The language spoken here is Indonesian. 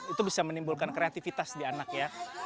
itu bisa menimbulkan kreativitas di anak ya